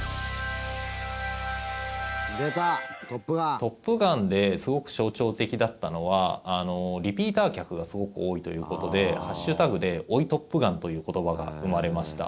「トップガン」ですごく象徴的だったのはリピーター客がすごく多いということでハッシュタグで「＃追いトップガン」という言葉が生まれました。